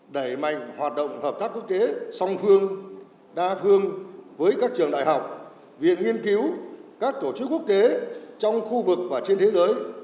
đẩy mạnh hoạt động hợp tác quốc tế song phương đa phương với các trường đại học viện nghiên cứu các tổ chức quốc tế trong khu vực và trên thế giới